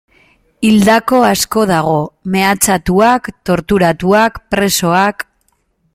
Hildako asko dago, mehatxatuak, torturatuak, presoak...